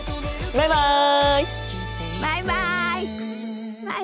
バイバイ。